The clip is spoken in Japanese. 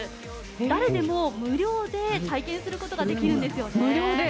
誰でも無料で体験することができるんですよね。